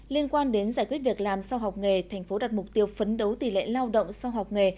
liên quan đến giải quyết việc làm sau học nghề thành phố đặt mục tiêu phấn đấu tỷ lệ lao động sau học nghề